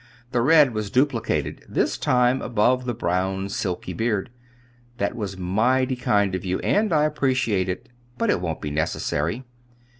The red was duplicated this time above the brown silky beard. "That was mighty kind of you, and I appreciate it; but it won't be necessary.